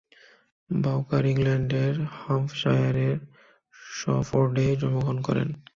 বাউকার ইংল্যান্ডের হ্যাম্পশায়ারের শফোর্ডে জন্মগ্রহণ করেন।